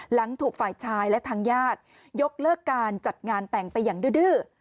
หลังถูกฝ่ายชายและทางญาติยกเลิกการจัดงานแต่งไปอย่างดื้อ